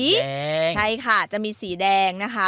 สิ่งแดงใช่ค่ะจะมีสีแดงนะคะ